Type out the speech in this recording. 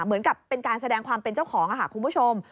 เหมือนกับเป็นการแสดงความเป็นเจ้าของค่ะคุณผู้ชม